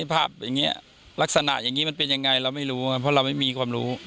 ช่วงที่หายไปหลังจากป่าเนาะเพราะว่าเราไม่มีความรู้